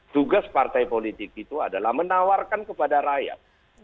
tugas partai politik itu adalah menawarkan kepada rakyat